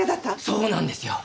そうなんですよ。